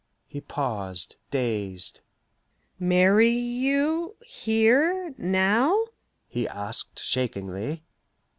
He paused, dazed. "Marry you here now?" he asked shakingly.